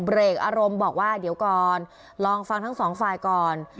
เรกอารมณ์บอกว่าเดี๋ยวก่อนลองฟังทั้งสองฝ่ายก่อน